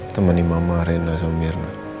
temani mama rena sama mirna